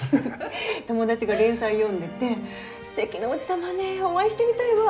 友達が連載読んでて「素敵な叔父様ねお会いしてみたいわ」